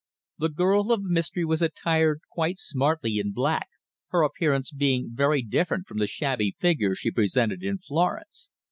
The girl of mystery was attired quite smartly in black, her appearance being very different from the shabby figure she presented in Florence.